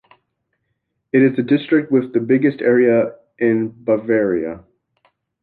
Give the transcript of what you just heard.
It is the district with the biggest area in Bavaria.